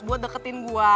buat deketin gue